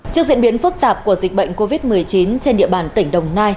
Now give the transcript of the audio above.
trước diễn biến phức tạp của dịch bệnh covid một mươi chín trên địa bàn tỉnh đồng nai